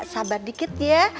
sabar dikit ya